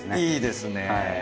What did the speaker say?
いいですねぇ。